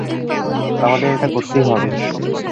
আমাদের এটা করতেই হবে!